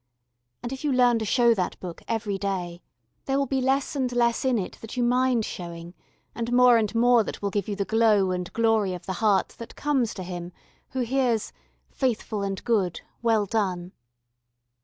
And if you learn to show that book every day there will be less and less in it that you mind showing, and more and more that will give you the glow and glory of the heart that comes to him who hears "Faithful and good, well done."